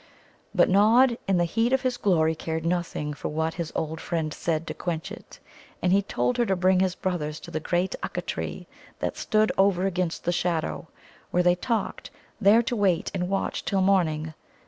But Nod in the heat of his glory cared nothing for what his old friend said to quench it. And he told her to bring his brothers to the great Ukka tree that stood over against the shadow, where they talked, there to wait and watch till morning.